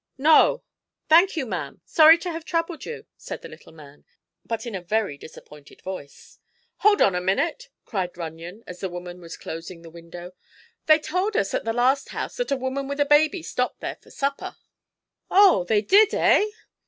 "No." "Thank you, ma'am; sorry to have troubled you," said the little man, but in a very disappointed voice. "Hold on a minute!" cried Runyon, as the woman was closing the window. "They told us at the last house that a woman with a baby stopped there for supper." "Oh; they did, eh?"